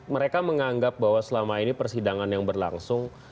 mereka menganggap bahwa selama ini persidangan yang berlangsung